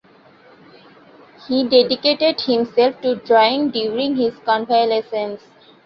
He dedicated himself to drawing during his convalescence.